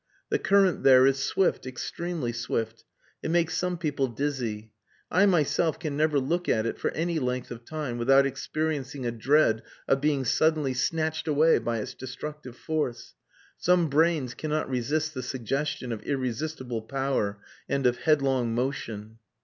The current there is swift, extremely swift; it makes some people dizzy; I myself can never look at it for any length of time without experiencing a dread of being suddenly snatched away by its destructive force. Some brains cannot resist the suggestion of irresistible power and of headlong motion.